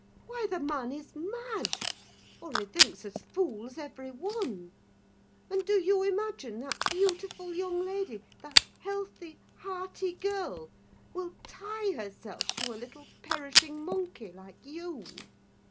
Why, the man is mad! or he thinks us fools, every one. And do you imagine that beautiful young lady, that healthy, hearty girl, will tie herself to a little perishing monkey like you?